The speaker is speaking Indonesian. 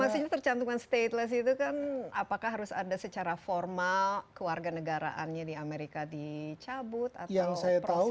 maksudnya tercantumkan stateless itu kan apakah harus ada secara formal kewarganegaraannya di amerika dicabut atau prosedurnya itu seperti apa